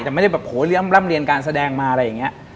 แต่ไม่ได้แบบโหเลี้ยร่ำเรียนการแสดงมาอะไรอย่างนี้